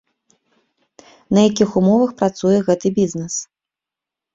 На якіх умовах працуе гэты бізнес?